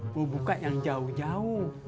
gue buka yang jauh jauh